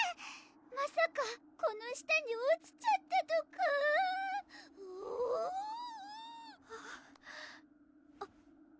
まさかこの下に落ちちゃったとかおぉあっ